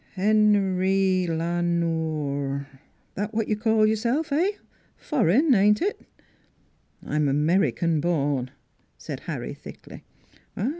" Hen rye La Nore that what you call your self eh? Foreign, ain't it?" " I'm American born," said Harry thickly.